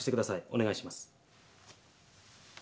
お願いします。